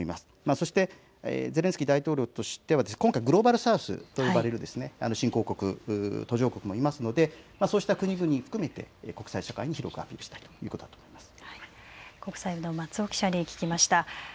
そしてゼレンスキー大統領としては今回、グローバル・サウスと呼ばれる新興国や途上国もありますのでそうした国々を深めて国際社会に広くアピールしたいということだと思います。